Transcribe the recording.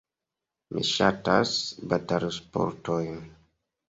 Mi ŝatas batalsportojn.